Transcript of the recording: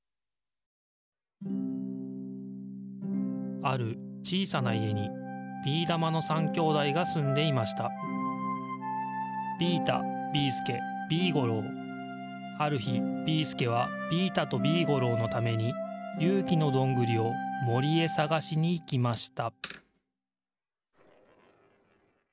あるちいさないえにビーだまの３兄弟がすんでいましたあるひビーすけはビータとビーゴローのためにゆうきのドングリをもりへさがしにいきました